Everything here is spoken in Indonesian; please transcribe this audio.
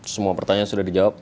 semua pertanyaan sudah dijawab